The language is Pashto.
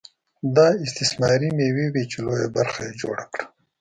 دا استثماري مېوې وې چې لویه برخه یې جوړه کړه